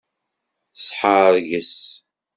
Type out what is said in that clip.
Sḥerges.